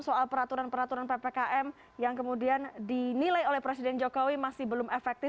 soal peraturan peraturan ppkm yang kemudian dinilai oleh presiden jokowi masih belum efektif